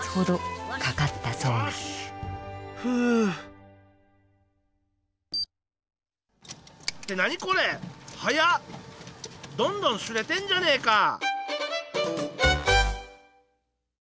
どんどん刷れてんじゃねえか！